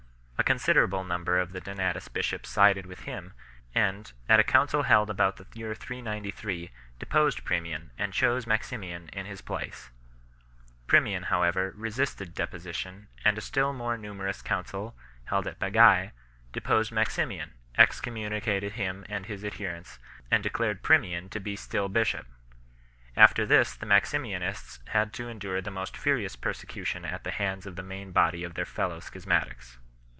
A considerable number of the Donatist bishops sided with him, and, at a council held about the year 393, deposed Primian, and chose Maximian in his place 2 . Primian, however, resisted deposition, and a still more numerous council, held at Bagai, deposed Maximian, excommunicated him and his adherents, and declared Primian to be still bishop 3 . After this the Maximianists had to endure the most furious persecution at the hands of the main body of their fellow schismatics.